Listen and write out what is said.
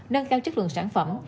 nâng cao chất lượng sản phẩm